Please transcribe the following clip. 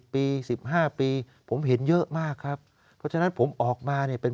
ปี๑๕ปีผมเห็นเยอะมากครับเพราะฉะนั้นผมออกมาเนี่ยเป็น